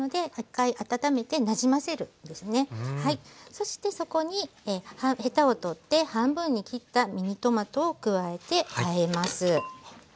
そしてそこにヘタを取って半分に切ったミニトマトを加えてあえます。